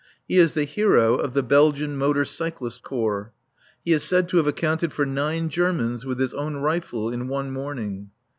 He is the hero of the Belgian Motor Cyclist Corps. He is said to have accounted for nine Germans with his own rifle in one morning.